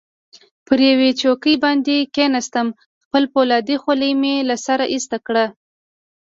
پر یوې چوکۍ باندې کښېناستم، خپله فولادي خولۍ مې له سره ایسته کړه.